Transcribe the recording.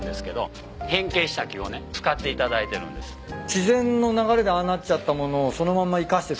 自然の流れでああなっちゃった物をそのまんま生かして。